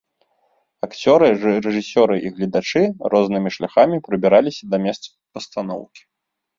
Акцёры, рэжысёры і гледачы рознымі шляхамі прабіраліся да месца пастаноўкі.